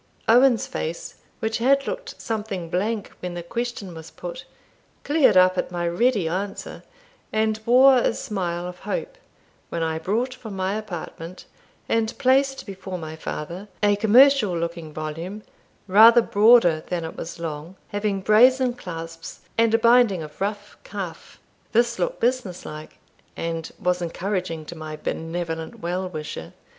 Owen's face, which had looked something blank when the question was put, cleared up at my ready answer, and wore a smile of hope, when I brought from my apartment, and placed before my father, a commercial looking volume, rather broader than it was long, having brazen clasps and a binding of rough calf. This looked business like, and was encouraging to my benevolent well wisher.